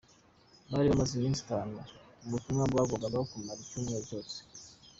Bari bamaze iminsi itanu mu butumwa bwagombaga kumara icyumweru cyose.